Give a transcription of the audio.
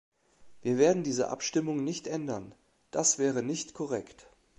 Wir werden diese Abstimmung nicht ändern, das wäre nicht korrekt.